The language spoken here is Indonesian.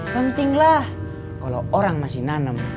pentinglah kalau orang masih nanem